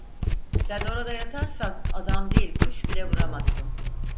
Sen orada yatarsan adam değil kuş bile vuramazsın…